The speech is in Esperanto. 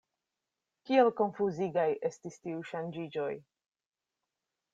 Kiel konfuzigaj estis tiuj ŝanĝiĝoj.